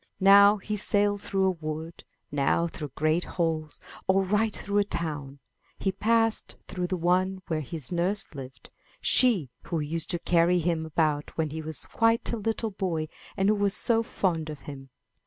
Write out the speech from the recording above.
136 IN THE NURSERY Now he sailed through a wood, now through great halls, or right through a town; he passed through the one where his nurse lived, she who used to carry him about when he was quite a little boy and who was so fond of him.